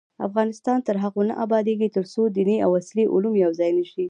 افغانستان تر هغو نه ابادیږي، ترڅو دیني او عصري علوم یو ځای نشي.